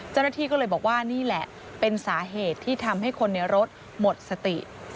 เจ้าหน้าที่ก็เลยบอกว่านี่แหละเป็นสาเหตุที่ทำให้คนในรถหมดสติ